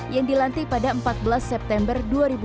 yang dilantik pada empat belas september dua ribu dua puluh